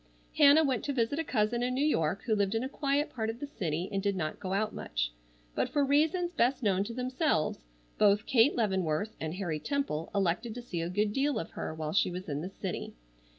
Hannah went to visit a cousin in New York who lived in a quiet part of the city and did not go out much, but for reasons best known to themselves, both Kate Leavenworth and Harry Temple elected to see a good deal of her while she was in the city.